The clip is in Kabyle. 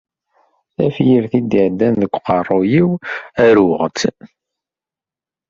Tafyirt i d-iɛeddan deg uqerruy-iw, aruɣ-tt.